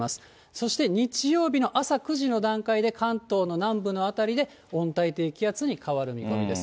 そして日曜日の朝９時の段階で、関東の南部の辺りで温帯低気圧に変わる見込みです。